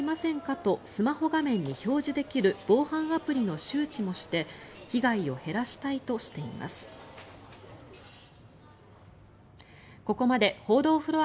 とスマホ画面に表示できる防犯アプリの周知もして被害を減らしたいとしています。